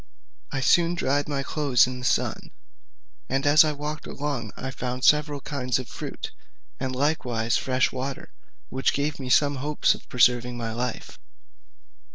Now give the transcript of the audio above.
I soon dried my clothes in the sun, and as I walked along I found several kinds of fruit, and likewise fresh water, which gave me some hopes of preserving my life.